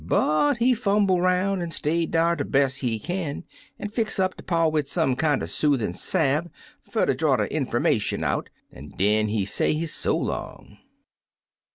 But he fumble 'roun' an' stayed dar de best he kin, an' fix up de paw wid some kinder soothin' salve fer ter draw de infermation out, an' den he say his so long.